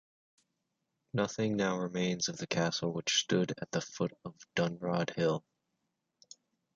Nothing now remains of the castle which stood at the foot of Dunrod Hill.